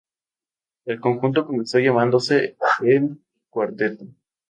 El conjunto comenzó llamándose El Cuarteto.